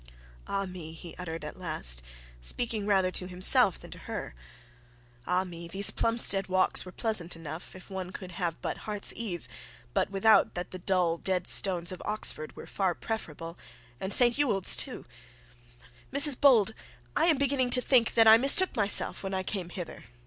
'Ah, me!' he uttered at last, speaking rather to himself than to her. 'Ah, me! These Plumstead walks were pleasant enough, if one could have but heart's ease; but without that, the dull dead stones of Oxford were far preferable; and St Ewold's too; Mrs Bold, I am beginning to think that I mistook myself when I came hither.